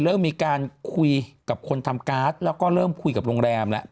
เริ่มมีการคุยกับคนทำการ์ดแล้วก็เริ่มคุยกับโรงแรมแล้ว